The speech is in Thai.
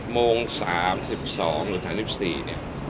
๗โมง๓๒หรือ๓๔